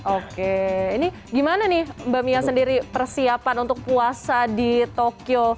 oke ini gimana nih mbak mia sendiri persiapan untuk puasa di tokyo